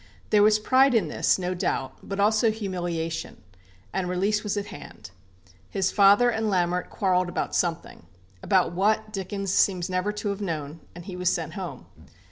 There was pride in this, no doubt, but also humiliation; and release was at hand. His father and Lamert quarrelled about something about what, Dickens seems never to have known and he was sent home.